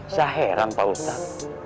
saya heran pak ustadz